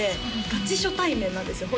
ガチ初対面なんですよ